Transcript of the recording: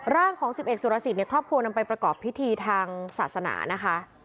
ร่างของ๑๑สุรสิทธิ์ครอบครัวนำไปประกอบพิธีทางศาสนานะคะ